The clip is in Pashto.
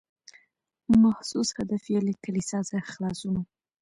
محسوس هدف یې له کلیسا څخه خلاصون و.